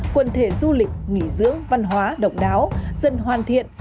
quần thể du lịch nghỉ dưỡng văn hóa độc đáo dần hoàn thiện